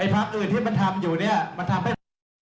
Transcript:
พักอื่นที่มันทำอยู่เนี่ยมันทำให้